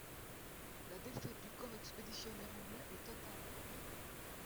La défaite du corps expéditionnaire anglais est totale.